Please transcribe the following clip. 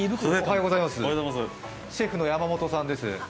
シェフの山本さんです。